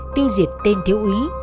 tiêu diệt tên thiếu úy